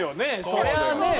そりゃあねえ。